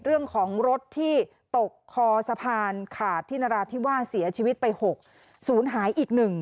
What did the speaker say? เรื่องของรถที่ตกคอสะพานขาดที่นราธิวาสเสียชีวิตไป๖ศูนย์หายอีก๑